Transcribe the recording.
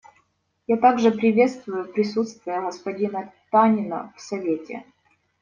Я также приветствую присутствие господина Танина в Совете.